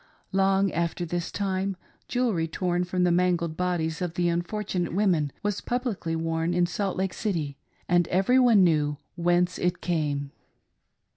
Long after this time, jewelry torn from the mangled bodies of the unfortunate women was publicly worn in Salt Lake City, and every one knew whence it came.